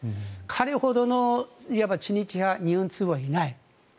彼ほどのいわば知日派日本通はいない。